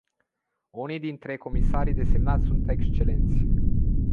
Unii dintre comisarii desemnați sunt excelenți.